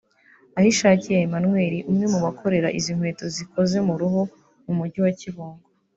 Ahishakiye Emmanuel umwe mu bakorera izi nkweto zikoze mu ruhu mu mujyi wa Kibungo